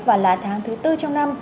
và là tháng thứ bốn trong năm